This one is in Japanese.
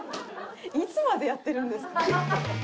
いつまでやってるんですか。